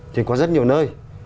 thì có rất nhiều nơi